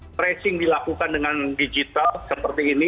tracing dilakukan dengan digital seperti ini